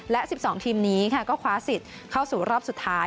และ๑๒ทีมนี้ค่ะก็คว้าสิทธิ์เข้าสู่รอบสุดท้าย